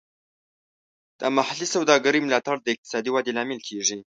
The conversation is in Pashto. د محلي سوداګرۍ ملاتړ د اقتصادي ودې لامل کیږي.